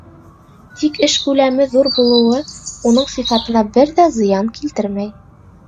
Тик эш күләме ҙур булыуы уның сифатына бер ҙә зыян килтермәй.